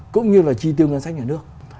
cũng như là chi tiêu ngân sách nhà nước